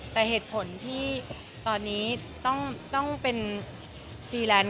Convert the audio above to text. แต่เหตุผลที่ตอนนี้ต้องเป็นฟรีแลนซ์